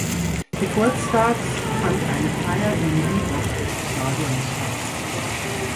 Geburtstags, fand eine Feier im Reebok Stadium statt.